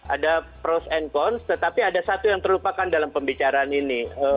ada pros and conce tetapi ada satu yang terlupakan dalam pembicaraan ini